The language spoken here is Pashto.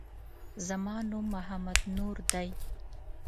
زما نوم محمد نور دی